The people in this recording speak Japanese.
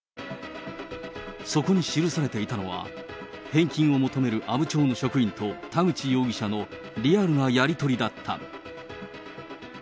そこに記されていたのは、返金を求める阿武町の職員と田口容疑者のリアルなやり取りだった。